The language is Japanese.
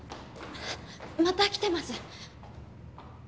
また来てます。